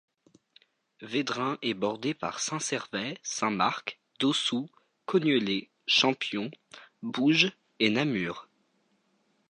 Vedrin est bordé par Saint-Servais, Saint-Marc, Daussoulx, Cognelée, Champion, Bouge et Namur.